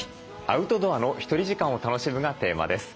「アウトドアのひとり時間を楽しむ」がテーマです。